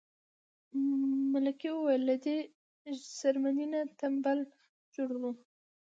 ملکې وویل له دې څرمنې نه تمبل جوړوو.